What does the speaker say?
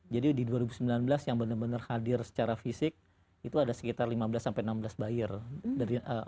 jadi di dua ribu sembilan belas yang benar benar hadir secara fisik itu ada sekitar lima belas sampai enam belas buyer